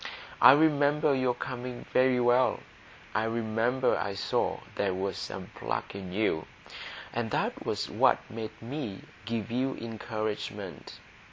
I remember your coming very well; I remember I saw there was some pluck in you, and that was what made me give you encouragement.